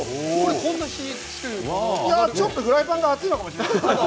ちょっとフライパンが熱いのかもしれません。